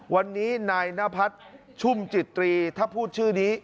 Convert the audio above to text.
วันนี้นายนพัฒน์ชุ่มจิตตรีถ้าพูดชื่อนี้